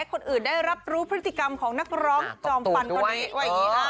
ให้คนอื่นได้รับรู้พฤติกรรมของนักร้องจอมฟันกันเนี่ย